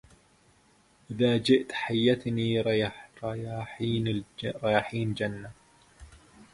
إذا شئت حيتني رياحين جنة